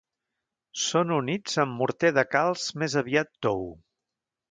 Són units amb morter de calç més aviat tou.